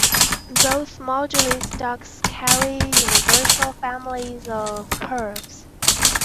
Both moduli stacks carry universal families of curves.